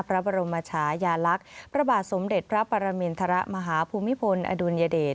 พระบรมชายาลักษณ์พระบาทสมเด็จพระปรมินทรมาฮภูมิพลอดุลยเดช